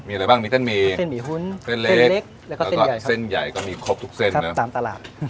มีอะไรบ้างมีเส้นหมี่เส้นหมี่หุ้นเส้นเล็กแล้วก็เส้นใหญ่ก็มีครบทุกเส้นนะตามตลาด